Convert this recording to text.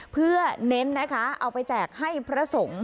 เพื่อเน้นนะคะเอาไปแจกให้พระสงฆ์